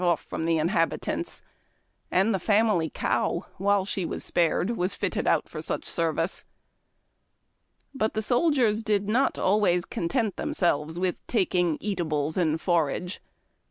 237 off from the inhabitants, and the family eotv., while she was spared, was fitted out for such service. But the soldiers did not always content themselves with taking eatables and forage.